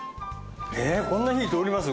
えーっこんな火通ります？